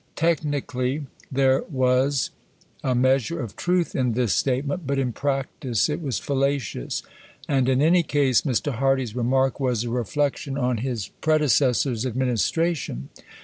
Technically there was a measure of truth in this statement, but in practice it was fallacious; and in any case Mr. Hardy's remark was a reflection on his predecessor's administration.